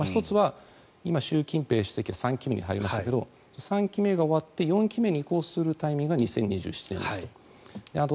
１つは今、習近平主席は３期目に入りましたけど３期目が終わって４期目に移行するタイミングが２０２７年ですと。